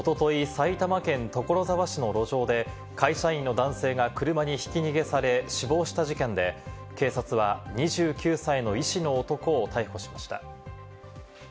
埼玉県所沢市の路上で会社員の男性が車にひき逃げされ、死亡した事件で、警察は２９歳の医師の男を逮捕しました。